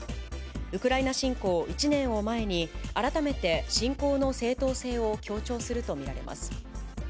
ウクライナ侵攻１年を前に、改めて侵攻の正当性を強調すると見られます。